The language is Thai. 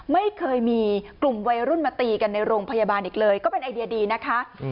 ไม่เคยมีกลุ่มวัยรุ่นมาตีกันในโรงพยาบาลอีกเลยก็เป็นไอเดียดีนะคะ